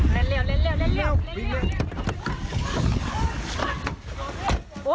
เล่นเร็วเล่นเร็วเล่นเร็ว